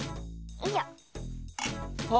よいしょ。